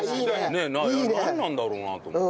ねえなんなんだろうなと思って。